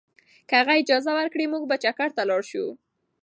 که هغه اجازه ورکړي، موږ به چکر ته لاړ شو.